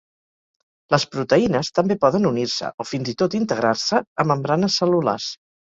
Les proteïnes també poden unir-se, o fins i tot integrar-se, a membranes cel·lulars.